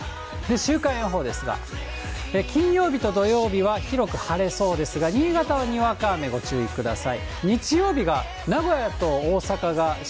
週間予報ですが、金曜日と土曜日は広く晴れそうですが、新潟はにわか雨ご注意ください。